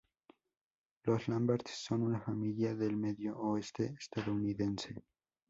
Los Lambert son una familia del Medio Oeste estadounidense.